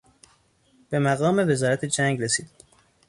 به مقام وزارت جنگ رسید.